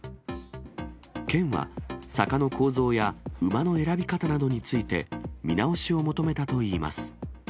県は、坂の構造や馬の選び方などについて、見直しを求めたといいます。